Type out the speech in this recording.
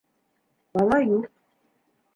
Бала юҡ.